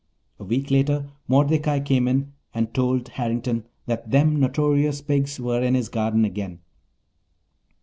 A week later Mordecai came in and told Harrington that "them notorious pigs" were in his garden again.